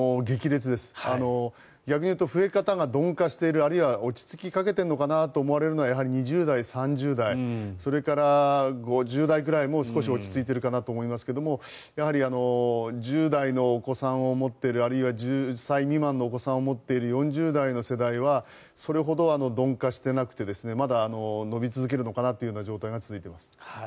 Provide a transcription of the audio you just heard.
逆にいうと増え方が鈍化しているあるいは落ち着きかけているのかなと思われるのはやはり２０代、３０代それから５０代くらいもう、少し落ち着いているかなと思いますがやはり１０代のお子さんを持っているあるいは１０歳未満のお子さんを持っている４０代の世代はそれほど鈍化してなくてまだ伸び続けるのかなという状態が続いています。